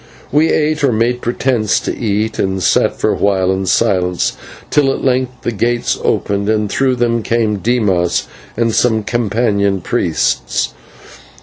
We ate, or made pretence to eat, and sat for a while in silence, till at length the gates opened, and through them came Dimas and some companion priests.